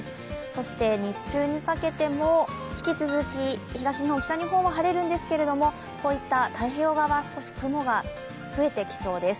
そして日中にかけても引き続き東日本、北日本は晴れるんですけれど太平洋側、少し雲が増えてきそうです。